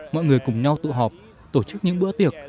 mọi người cùng nhau tụ họp tổ chức những bữa tiệc